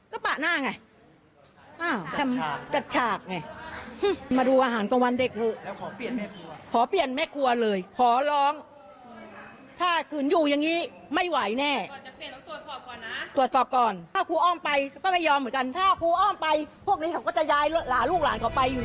ก็จะยายลูกหลานเขาไปอยู่ที่อื่น